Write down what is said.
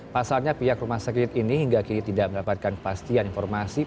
pasalnya pihak rumah sakit ini hingga kini tidak mendapatkan kepastian informasi